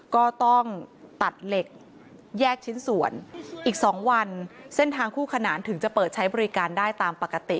ก็ต้องตัดเหล็กแยกชิ้นส่วนอีก๒วันเส้นทางคู่ขนานถึงจะเปิดใช้บริการได้ตามปกติ